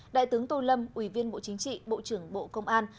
đại tướng tô lâm ủy viên bộ chính trị bộ trưởng bộ công an